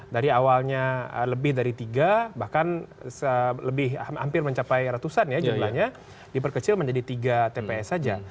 dari awalnya lebih dari tiga bahkan lebih hampir mencapai ratusan ya jumlahnya diperkecil menjadi tiga tps saja